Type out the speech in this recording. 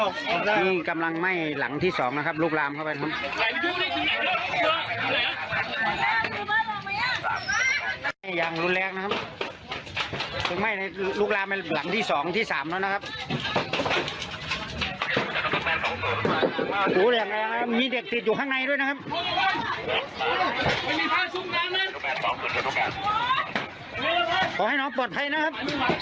ก็ถามมีเด็กติดอยู่ข้างในด้วยนะครับ